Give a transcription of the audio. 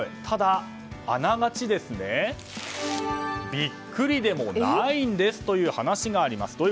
ただ、あながちビックリでもないんですという話があります。